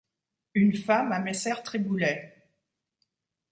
Une femme à messer Triboulet!